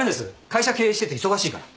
会社経営してて忙しいから。